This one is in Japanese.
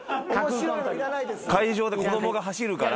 会場で子供が走るから。